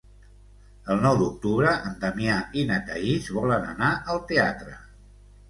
El nou d'octubre en Damià i na Thaís volen anar al teatre.